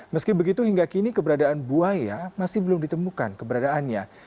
meski begitu hingga kini keberadaan buaya masih belum ditemukan keberadaannya